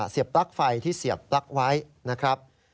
ปลั๊กไฟที่เสียบปลั๊กไว้นะครับ